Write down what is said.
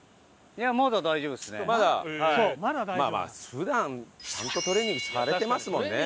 普段ちゃんとトレーニングされてますもんね。